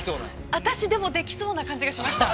◆私でもできそうな感じしました。